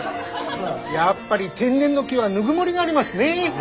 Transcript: やっぱり天然の木はぬくもりがありますね。